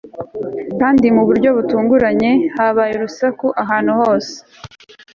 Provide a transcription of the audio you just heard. kandi mu buryo butunguranye habaye urusaku ahantu hose